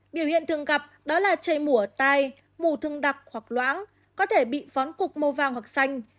biểu hiện thường gặp đó là chảy mù ở tai mù thương đặc hoặc loãng có thể bị vón cục màu vàng hoặc xanh